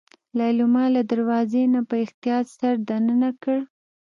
ليلما له دروازې نه په احتياط سر دننه کړ.